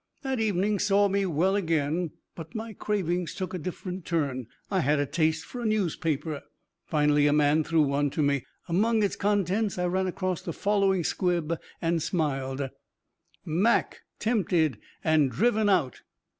That evening saw me well again, but my cravings took a different turn. I had a taste for a newspaper. Finally a man threw one to me. Among its contents, I ran across the following squib, and smiled: "MAC TEMPTED AND DRIVEN OUT.